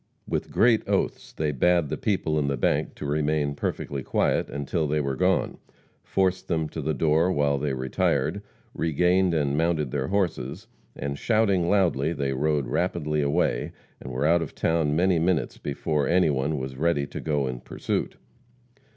With great oaths they bade the people in the bank to remain perfectly quiet until they were gone, forced them to the door while they retired, regained and mounted their horses, and, shouting loudly, they rode rapidly away, and were out of town many minutes before any one was ready to go in pursuit.